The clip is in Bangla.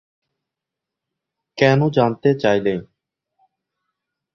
কেন জানতে চাইলে?